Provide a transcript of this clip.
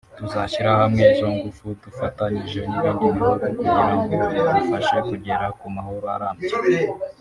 tuzashyira hamwe izo ngufu dufatanyije n’ibindi bihugu kugira ngo bidufashe kugera ku mahoro arambye